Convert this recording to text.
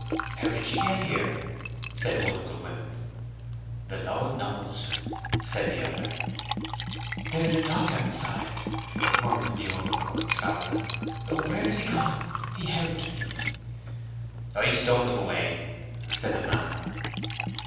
"How did she get here?" said one of the women. "The Lord knows," said the other. "There is a dog outside," murmured the overcome traveller. "Where is he gone? He helped me." "I stoned him away," said the man.